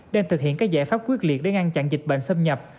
đang thực hiện các giải pháp quyết liệt để ngăn chặn dịch bệnh xâm nhập